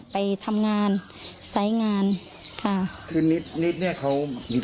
ค่ะค่ะค่ะค่ะค่ะค่ะค่ะค่ะ